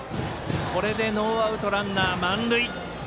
ノーアウト、ランナー満塁。